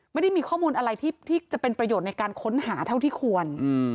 ไม่ได้มีข้อมูลอะไรที่จะเป็นประโยชน์ในการค้นหาเท่าที่ควร